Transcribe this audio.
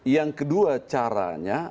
yang kedua caranya